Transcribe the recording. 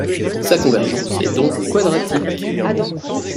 Sa convergence est donc quadratique.